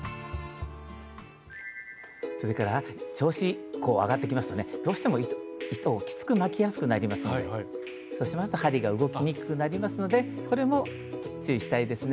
それから調子こう上がってきますとねどうしても糸をきつく巻きやすくなりますのでそうしますと針が動きにくくなりますのでこれも注意したいですね。